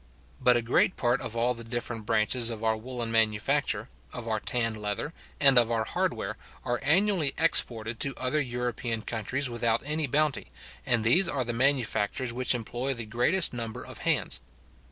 But a great part of all the different branches of our woollen manufacture, of our tanned leather, and of our hardware, are annually exported to other European countries without any bounty, and these are the manufactures which employ the greatest number of hands.